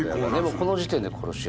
この時点で殺し屋とね。